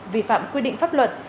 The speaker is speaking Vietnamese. vì phạm quy định pháp luật